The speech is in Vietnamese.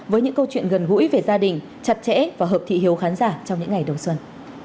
với những câu chuyện gần gũi về gia đình chặt chẽ và hợp thị hiếu khán giả trong những ngày đầu xuân